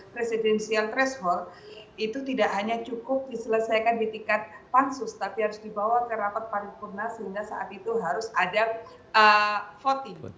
presidensial threshold itu tidak hanya cukup diselesaikan di tingkat pansus tapi harus dibawa ke rapat paripurna sehingga saat itu harus ada voting